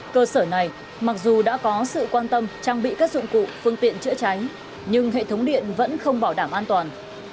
cơ sở này mặc dù đã có sự quan tâm trang bị các dụng cụ phương tiện chữa cháy nhưng hệ thống điện vẫn không bảo đảm an toàn